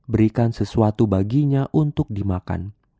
berikan sesuatu baginya untuk dimakan